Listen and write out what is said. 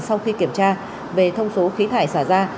sau khi kiểm tra về thông số khí thải xả ra